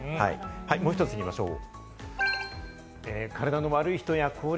もう１つ行きましょう。